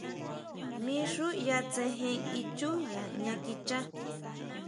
Mí xú ʼya tsejen ichú ya jña kichá.